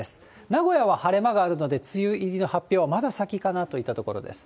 名古屋は晴れ間があるので、梅雨入りの発表は、まだ先かなといったところです。